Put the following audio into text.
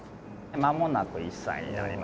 まもなく１歳になります。